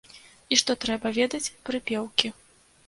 І што трэба ведаць прыпеўкі.